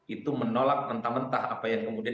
itu menolak mentah mentah apa yang kemudian